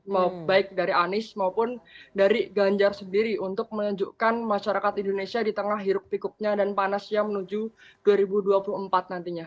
baik dari anies maupun dari ganjar sendiri untuk menunjukkan masyarakat indonesia di tengah hiruk pikuknya dan panasnya menuju dua ribu dua puluh empat nantinya